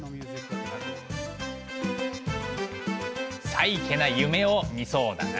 サイケな夢を見そうだな。